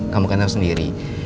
kamu kenal sendiri